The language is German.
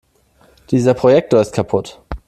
Dieser Projektor ist kaputt.